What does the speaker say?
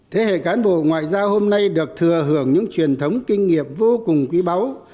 thế hệ cán bộ ngoại giao hôm nay được thừa hưởng những truyền thống kinh nghiệm vô cùng quý báu